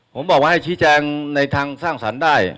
ผมบอกว่าให้ชี้แจงในทางสร้างสรรค์ได้